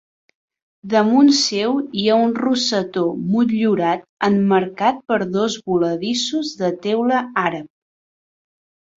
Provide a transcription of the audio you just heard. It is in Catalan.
Damunt seu hi ha un rosetó motllurat emmarcat per dos voladissos de teula àrab.